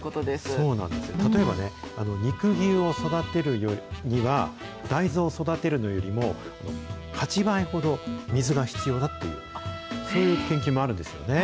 そうなんですよ、例えばね、肉牛を育てるには、大豆を育てるのよりも、８倍ほど水が必要だっていう研究もあるんですよね。